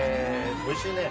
おいしいね。